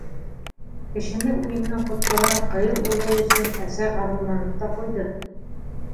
Кешене үлемдән ҡотҡарған ҡыйыу улы өсөн әсә ғорурланып та ҡуйҙы.